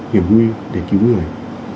hiểm nguy để cứu người